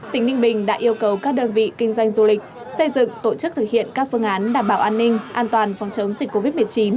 tỉnh ninh bình đã yêu cầu các đơn vị kinh doanh du lịch xây dựng tổ chức thực hiện các phương án đảm bảo an ninh an toàn phòng chống dịch covid một mươi chín